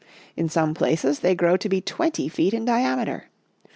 In some places they grow to be twenty feet in diameter.